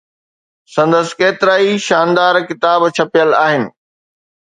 سندس ڪيترائي شاندار ڪتاب ڇپيل آهن.